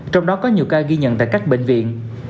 trong đó có nhiều ca ghi nhận tại các bệnh viện